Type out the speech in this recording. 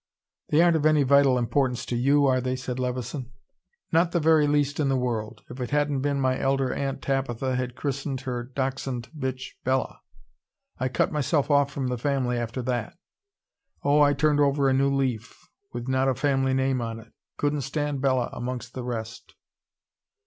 "They aren't of any vital importance to you, are they?" said Levison. "Not the very least in the world if it hadn't been that my elder Aunt Tabitha had christened her dachshund bitch Bella. I cut myself off from the family after that. Oh, I turned over a new leaf, with not a family name on it. Couldn't stand Bella amongst the rest."